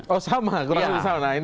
oh sama kurang lebih sama